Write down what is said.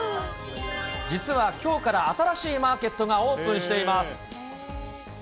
実はきょうから新しいマーケットがオープンしています。